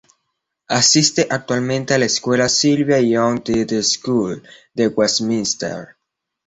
Asiste actualmente a la escuela Sylvia Young Theatre School de Westminster.